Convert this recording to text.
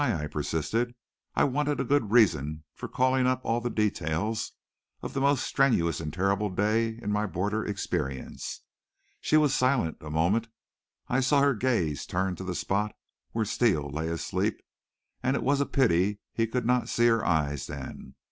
I persisted. I wanted a good reason for calling up all the details of the most strenuous and terrible day in my border experience. She was silent a moment. I saw her gaze turn to the spot where Steele lay asleep, and it was a pity he could not see her eyes then.